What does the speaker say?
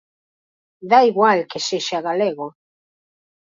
Dá igual que sexa galego.